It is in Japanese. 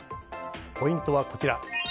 ポイントはこちら。